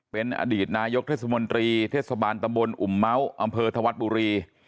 เป็นอดีตนายกเทศมนตรีเทศบาลตำบลอุ่มเมาส์อำเภอธวัฒน์บุรี